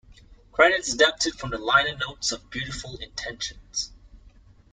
Credits adapted from the liner notes of "Beautiful Intentions".